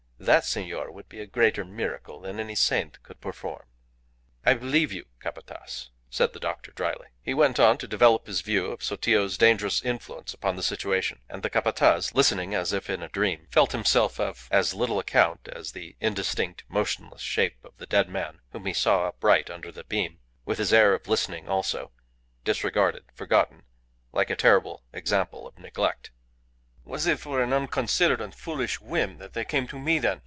"That, senor, would be a greater miracle than any saint could perform." "I believe you, Capataz," said the doctor, drily. He went on to develop his view of Sotillo's dangerous influence upon the situation. And the Capataz, listening as if in a dream, felt himself of as little account as the indistinct, motionless shape of the dead man whom he saw upright under the beam, with his air of listening also, disregarded, forgotten, like a terrible example of neglect. "Was it for an unconsidered and foolish whim that they came to me, then?"